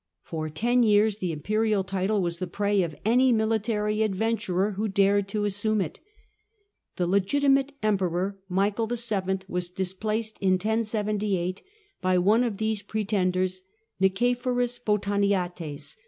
For ten years the imperial title was the prey of any military adventurer who dared to assume it. The legitimate Emperor, Michael VIL, was displaced in 1078 by one of these pretenders, Nicephorus Nicephor Botaniates.